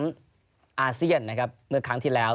เอาเซียนเมื่อกี้แล้ว